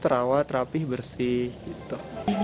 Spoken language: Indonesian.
terawat rapih bersih gitu